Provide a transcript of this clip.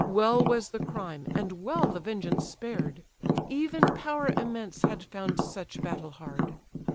Well was the crime, and well the vengeance spared; Even power immense had found such battle hard.